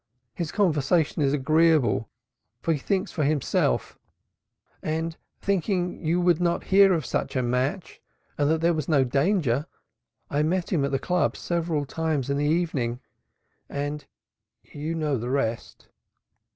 His conversation is agreeable, for he thinks for himself, and deeming thou wouldst not hear of such a match and that there was no danger, I met him at the Club several times in the evening, and and thou knowest the rest."